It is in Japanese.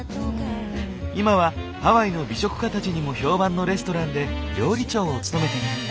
今はハワイの美食家たちにも評判のレストランで料理長を務めている。